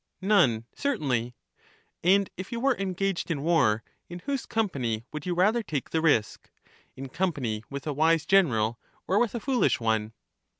None, certainly. And if you were engaged in war, in whose company would you rather take the risk — in company with a wise general, or with a foolish one